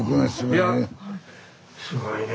いやすごいね。